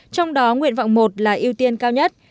trong đó nguyện vọng một là ưu tiên cao nhất